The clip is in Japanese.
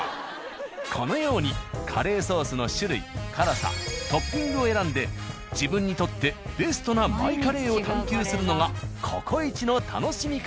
このようにカレーソースの種類辛さトッピングを選んで自分にとってベストなマイカレーを探究するのが「ココイチ」の楽しみ方。